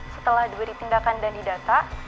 setelah diberi tindakan dan didata